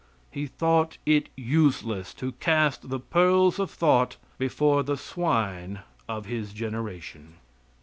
He thought it useless to cast the pearls of thought before the swine of his generation.